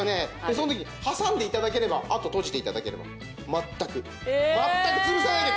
その時に挟んで頂ければあと閉じて頂ければ全く全く潰さないで。